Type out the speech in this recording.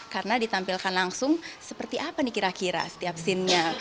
karena ditampilkan langsung seperti apa nih kira kira setiap scene nya